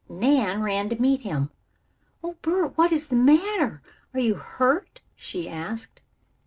Nan ran to meet him. "Oh, Bert, what is the matter? Are you hurt?" she asked.